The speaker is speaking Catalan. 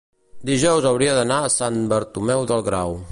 dijous hauria d'anar a Sant Bartomeu del Grau.